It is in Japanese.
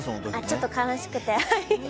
ちょっと悲しくて。